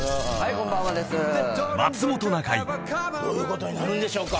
どういうことになるんでしょうか。